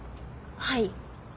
はい。